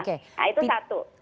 nah itu satu